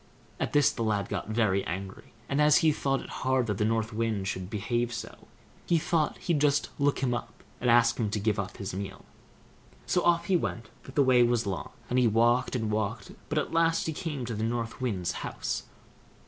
At this the lad got very angry; and as he thought it hard that the North Wind should behave so, he thought he'd just look him up, and ask him to give up his meal. So off he went, but the way was long, and he walked and walked; but at last he came to the North Wind's house.